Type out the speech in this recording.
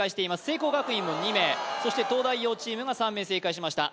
聖光学院も２名そして東大王チームが３名正解しました